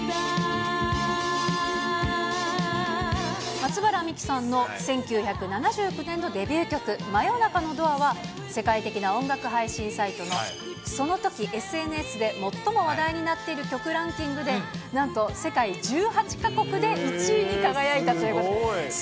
松原みきさんの１９７９年のデビュー曲、真夜中のドアは、世界的な音楽配信サイトのそのときＳＮＳで最も話題になっている曲ランキングでなんと世界１８か国で１位に輝いたということです。